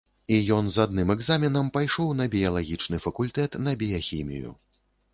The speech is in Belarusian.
І ён з адным экзаменам пайшоў на біялагічны факультэт на біяхімію.